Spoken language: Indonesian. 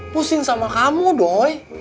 pusing sama kamu doi